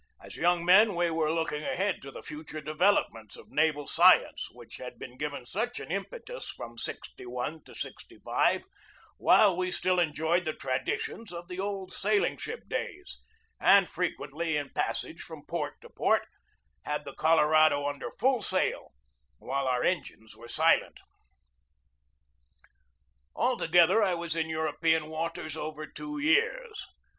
As young men we were i 4 o GEORGE DEWEY looking ahead to the future developments of naval science which had been given such an impetus from 9 6 1 to '65, while we still enjoyed the traditions of the old sailing ship days, and frequently, in passage from port to port, had the Colorado under full sail, while our engines were silent. Altogether I was in European waters over two years.